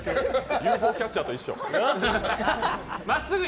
ＵＦＯキャッチャーと一緒。